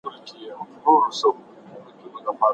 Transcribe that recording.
لیکوال د اصلي فکر خاوند دی.